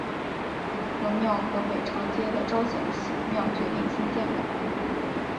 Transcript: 凝和庙和北长街的昭显庙决定兴建的。